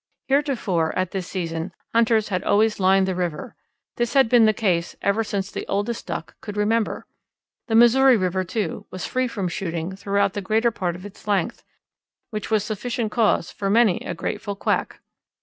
Heretofore, at this season, hunters had always lined the river. This had been the case ever since the oldest Duck could remember. The Missouri River, too, was free from shooting throughout the greater part of its length, which was sufficient cause for many a grateful quack.